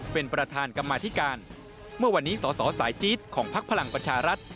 เป็นประธานกรรมาธิการเมื่อวันนี้สสสายจี๊ดของพักพลังประชารัฐ